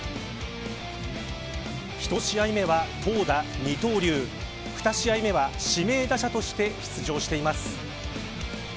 １試合目は投打二刀流２試合目には指名打者として出場しています。